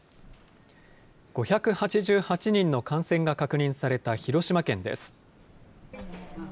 ５８８人の感染が確認された広島県です。